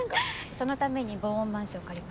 そのために防音マンション借りました。